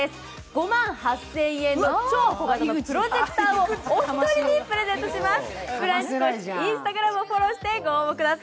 ５万８０００円の超小型のプロジェクターをお一人にプレゼントします。